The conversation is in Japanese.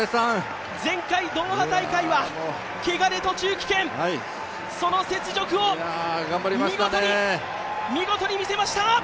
前回ドーハ大会は、けがで途中棄権その雪辱を、見事に見事に見せました。